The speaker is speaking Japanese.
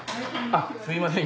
すいません